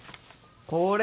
これ！